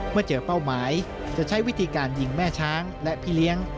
เมื่อเจอเป้าหมายจะใช้วิธีการยิงแม่ช้างและพี่เลี้ยง